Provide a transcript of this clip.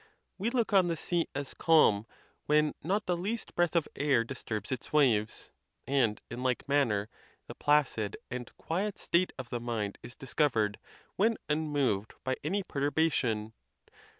We look on the sea as calm when not the least breath of air disturbs its waves; and, in like manner, the placid and quiet state of the mind is discovered when unmoved by any perturbation.